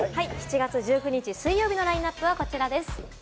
７月１９日、水曜日のラインナップはこちらです。